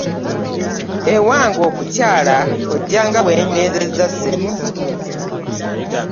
Ewange okukyala ojjanga weenywezezza ssebo.